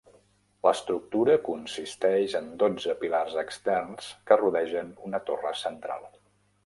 L'estructura consisteix en dotze pilars externs que rodegen una torre central.